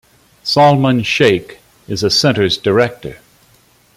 Salman Shaikh is the Center's Director.